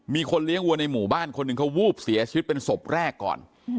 มีคนเลี้ยงวัวในหมู่บ้านคนหนึ่งเขาวูบเสียชีวิตเป็นศพแรกก่อน